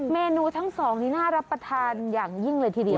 เมนูทั้งสองนี่น่ารับประทานอย่างยิ่งเลยทีเดียว